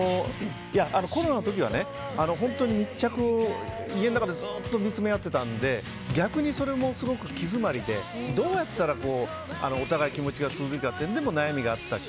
コロナの時は本当に密着、家の中でずっと見つめ合ってたので逆にそれもすごく気詰まりでどうやったらお互いに気持ちが通ずるかで悩みがあったし